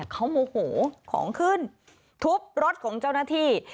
เขาโมโหของขึ้นทุบรถของเจ้าหน้าที่